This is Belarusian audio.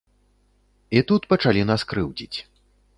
І тут пачалі нас крыўдзіць.